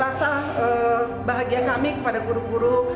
rasa bahagia kami kepada guru guru